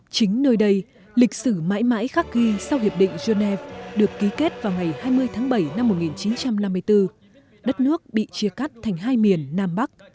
chính nơi đây lịch sử mãi mãi khắc ghi sau hiệp định genève được ký kết vào ngày hai mươi tháng bảy năm một nghìn chín trăm năm mươi bốn đất nước bị chia cắt thành hai miền nam bắc